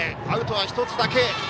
アウトは１つだけ。